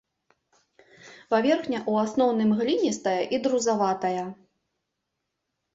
Паверхня ў асноўным гліністая і друзаватая.